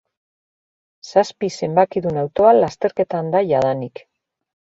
Zazpi zenbakidun autoa lasterketan da jadanik.